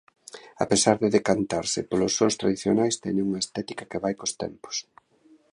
A pesar de decantarse polos sons tradicionais teñen unha estética que vai cos tempos.